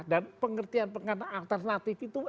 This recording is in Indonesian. dan pengertian alternatif itu